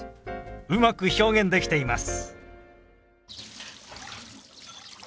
うまく表現できています。